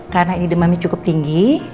karena ini demamnya cukup tinggi